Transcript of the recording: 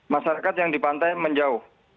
masyarakat yang di pantai menjauh